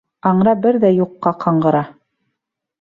Аңра бер ҙә юҡҡа ҡаңғыра.